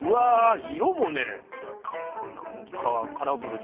色もカラフルで。